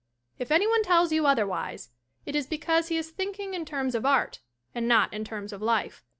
If any one tells you otherwise it is because he is thinking in terms of art and not in terms of life.